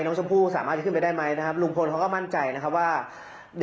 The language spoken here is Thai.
น้องชมพูสามารถที่จะขึ้นไปได้ไหมนะครับ